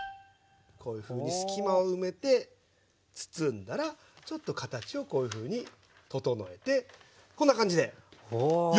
こういうふうに隙間を埋めて包んだらちょっと形をこういうふうに整えてこんな感じで４コ包んで下さい。